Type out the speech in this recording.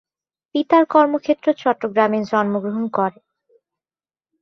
পিতার কর্মক্ষেত্র চট্টগ্রামে জন্মগ্রহণ করেন।